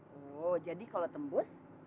oh jadi kalau tembus